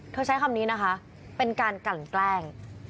ใช้คำนี้นะคะเป็นการกลั่นแกล้ง